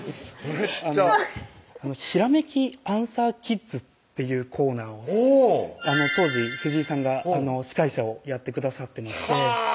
めっちゃ「ひらめき！アンサーキッズ」っていうコーナーを当時藤井さんが司会者をやってくださってましてはぁ！